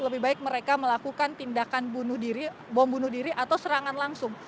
lebih baik mereka melakukan tindakan bunuh diri bom bunuh diri atau serangan langsung